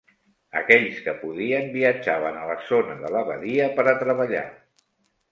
Aquells que podien viatjaven a la zona de la badia per a treballar.